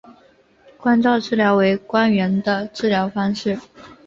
光照治疗为光源的治疗方式。